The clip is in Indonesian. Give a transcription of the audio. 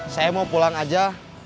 saya mau pulang aja